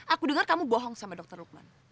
aku dengar kamu bohong sama dr lukman